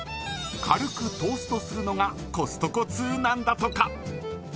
軽くトーストするのがコストコ通なんだとか。